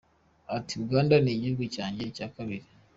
Ati “Uganda ni igihugu cyanjye cya kabiri.